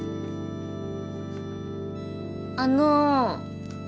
あの。